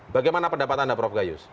bagaimana pendapat anda prof gayus